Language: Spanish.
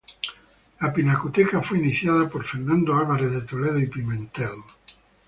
La pinacoteca fue iniciada por Fernando Álvarez de Toledo y Pimentel.